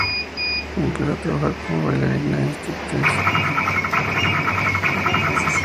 Empezó a trabajar como bailarina de striptease.